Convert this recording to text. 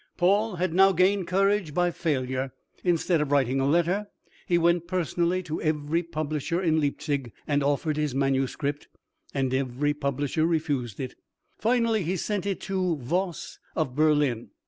Paul had now gained courage by failure. Instead of writing a letter, he went personally to every publisher in Leipzig, and offered his manuscript, and every publisher refused it. Finally he sent it to Voss of Berlin.